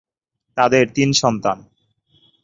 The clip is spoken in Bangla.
তাদের তিন সন্তান।